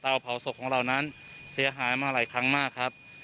เผาศพของเรานั้นเสียหายมาหลายครั้งมากครับ